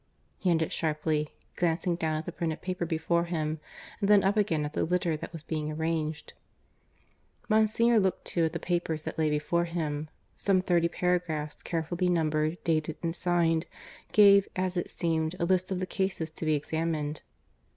he ended sharply, glancing down at the printed paper before him, and then up again at the litter that was being arranged. Monsignor looked too at the paper that lay before him. Some thirty paragraphs, carefully numbered, dated, and signed, gave, as it seemed, a list of the cases to be examined.